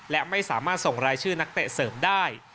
และไม่สามารถส่งรายชื่อนักเตะเสริมได้